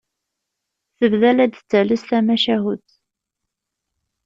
Tebda la d-tettales tamacahut.